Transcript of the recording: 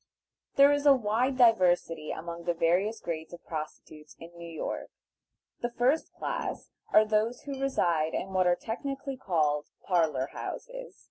There is a wide diversity among the various grades of prostitutes in New York. The first class are those who reside in what are technically called "Parlor Houses."